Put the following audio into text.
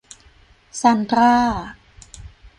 ซานดรา